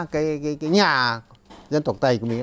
cái nhà dân tộc tày của mình